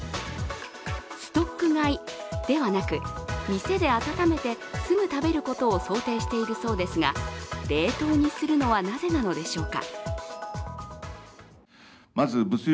ストック買いではなく、店で温めてすぐ食べることを想定しているそうですが冷凍にするのはなぜなのでしょうか。